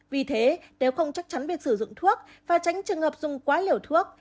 vì thế nếu không chắc chắn việc sử dụng thuốc và tránh trường hợp dùng quá liều thuốc